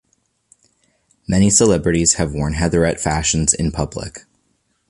Many celebrities have worn Heatherette fashions in public.